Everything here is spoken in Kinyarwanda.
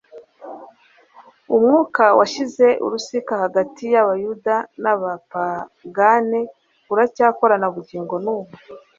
Umwuka washyize urusika hagati y'abayuda n' abapagane uracyakora na bugingo n'ubu.